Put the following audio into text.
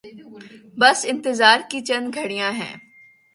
بس انتظار کی چند گھڑیاں ہیں۔